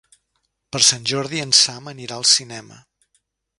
Per Sant Jordi en Sam anirà al cinema.